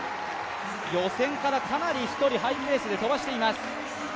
予選からかなり１人ハイペースで飛ばしています。